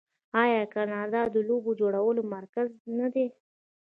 آیا کاناډا د لوبو جوړولو مرکز نه دی؟